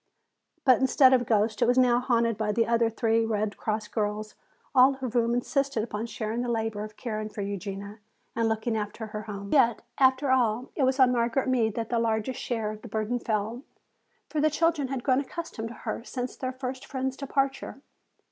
But instead of ghosts it was now haunted by the other three Red Cross girls, all of whom insisted upon sharing the labor of caring for Eugenia and looking after her home. Yet after all it was on Barbara Meade that the largest share of the burden fell. For the children had grown accustomed to her since their first friend's departure.